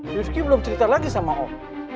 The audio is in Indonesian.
rizky belum cerita lagi sama om